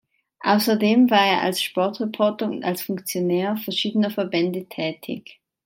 Außerdem war er als Sportreporter und als Funktionär verschiedener Verbände tätig.